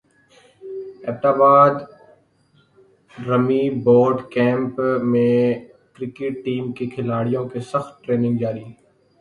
Abbott باد army boot camp میں cricket team کے کھلاڑیوں کی سخت ٹریننگ جاری